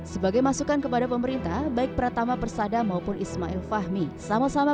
sebagai masukan kepada pemerintah baik pratama persada maupun ismail fahmi sama sama